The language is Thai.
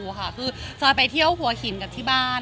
ก็แบบจริงแล้วไปเที่ยวของเรา